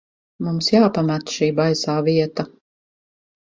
Mums jāpamet šī baisā vieta.